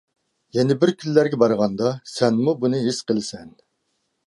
يەنە بىر كۈنلەرگە بارغاندا سەنمۇ بۇنى ھېس قىلىسەن.